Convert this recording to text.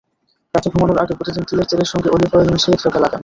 রাতে ঘুমানোর আগে প্রতিদিন তিলের তেলের সঙ্গে অলিভ অয়েল মিশিয়ে ত্বকে লাগান।